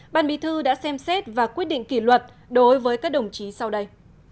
ban bí thư đã xem xét và quyết định kỷ luật đối với các đồng chí sau đây